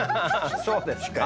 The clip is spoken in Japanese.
そうですか。